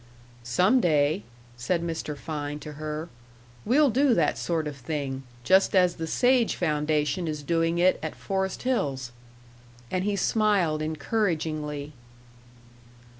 "Some day," said Mr. Fein to her, "we'll do that sort of thing, just as the Sage Foundation is doing it at Forest Hills." And he smiled encouragingly.